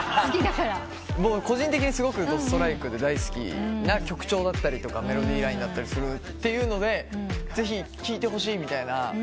個人的にすごくどストライクで大好きな曲調だったりメロディーラインだったりするというのでぜひ聴いてほしいみたいな。